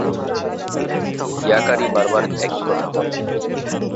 ইয়াকারি বারবার একই কথা বলে।